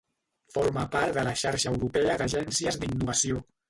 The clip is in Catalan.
Forma part de la Xarxa Europea d'Agències d'Innovació.